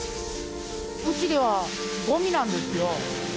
うちではごみなんですよ。